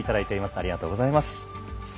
ありがとうございます。